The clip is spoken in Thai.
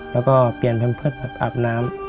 แล้วก็เปลี่ยนเป็นเพื่อนผ่านอาบน้ำ